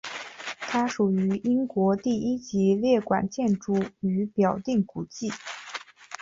它属于英国第一级列管建筑与表定古迹。